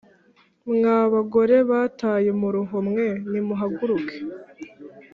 Mwa bagore bataye umuruho mwe nimuhaguruke